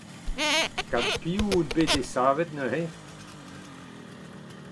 Gant piv out bet desavet neuze ?